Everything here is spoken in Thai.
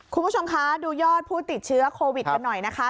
คุณผู้ชมคะดูยอดผู้ติดเชื้อโควิดกันหน่อยนะคะ